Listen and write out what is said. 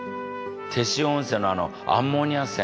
天塩温泉のあのアンモニア泉。